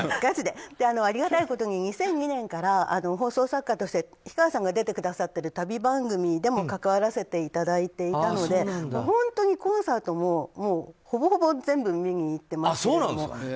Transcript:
ありがたいことに２００２年から放送作家として氷川さんが出てくださっている旅番組にも関わらせていただいていたので本当にコンサートもほぼほぼ全部見に行ってます。